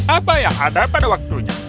apa yang ada pada waktunya